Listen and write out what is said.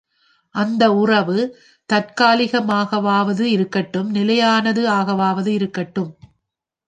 அந்த உறவு தற்காலிகமாகவாவது இருக்கட்டும் நிலையானது ஆகவாவது இருக்கட்டும்.